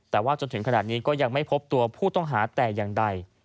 แต่ว่าจนถึงขนาดนี้ก็ยังไม่พบตัวผู้ต้องหาแต่อย่างใด